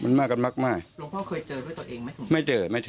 ไม่รู้นะไม่รู้